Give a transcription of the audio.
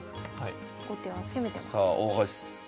後手は攻めてます。